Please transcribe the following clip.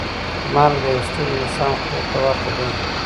مرګ د یو ستړي انسان خوب ته ورته دی.